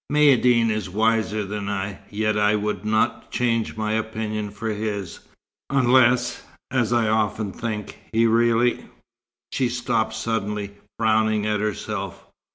Maïeddine is wiser than I, yet I would not change my opinions for his; unless, as I often think, he really " she stopped suddenly, frowning at herself.